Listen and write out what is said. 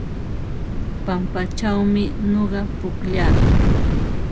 Pampachawmi nuqa pukllaa.